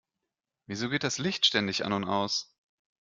Wieso geht das Licht ständig an und aus?